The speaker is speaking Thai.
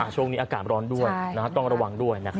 ช่วงนี้อากาศร้อนด้วยต้องระวังด้วย